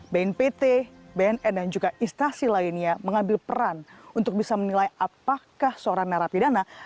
bnpt bnn dan juga instasi lainnya mengambil peran untuk bisa menilai apakah seorang narapidana